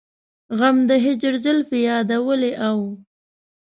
غم د هجر زلفې يادولې او